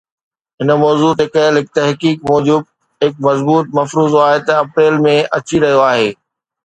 هن موضوع تي ڪيل هڪ تحقيق موجب، هڪ مضبوط مفروضو آهي ته اپريل ۾ اچي رهيو آهي